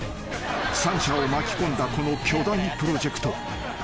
［三社を巻き込んだこの巨大プロジェクト］